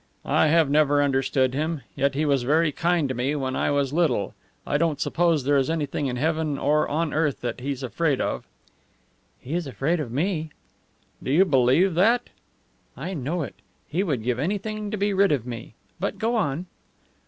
"I have never understood him. Yet he was very kind to me when I was little. I don't suppose there is anything in heaven or on earth that he's afraid of." "He is afraid of me." "Do you believe that?" "I know it. He would give anything to be rid of me. But go on."